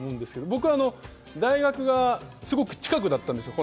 僕は大学がすごく近くだったんですよ。